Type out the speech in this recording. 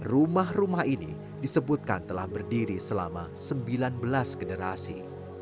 rumah rumah ini disebutkan telah berdiri selama sembilan belas generasi